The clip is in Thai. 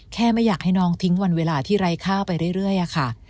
ไม่อยากให้น้องทิ้งวันเวลาที่ไร้ค่าไปเรื่อยค่ะ